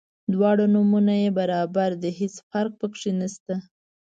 دواړه نومونه یې برابر دي هیڅ فرق په کې نشته.